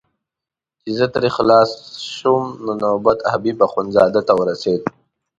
چې زه ترې خلاص شوم نو نوبت حبیب اخندزاده ته ورسېد.